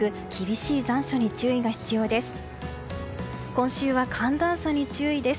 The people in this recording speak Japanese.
今週は寒暖差に注意です。